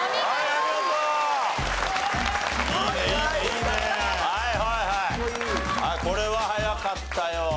はいこれは早かったよ。